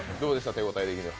手応え的には。